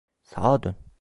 Sağa dön.